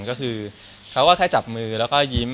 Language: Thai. ก็คือเขาก็แค่จับมือแล้วก็ยิ้ม